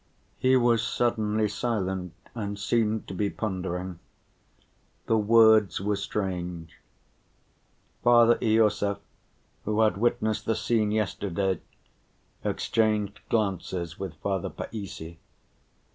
He was suddenly silent and seemed to be pondering. The words were strange. Father Iosif, who had witnessed the scene yesterday, exchanged glances with Father Païssy.